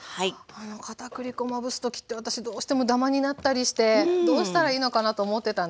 片栗粉をまぶす時って私どうしてもだまになったりしてどうしたらいいのかなと思ってたんですけど。